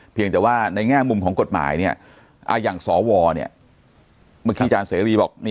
เพียงแต่ว่าในแง่มุมของกฎหมายเนี่ยอย่างสวเมื่อกี้อาจารย์เสรีบอก